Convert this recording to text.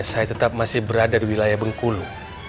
saya tetap masih berada di wilayah bengkulu